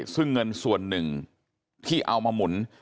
ซึ่งเงินส่วนหนึ่งที่เอามาหมุน